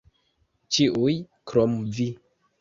Ĉiuj krom Vi.